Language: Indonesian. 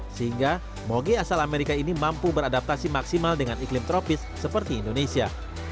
sehingga mogi asal amerika ini mampu beradaptasi maksimal dengan iklim tropis seperti indonesia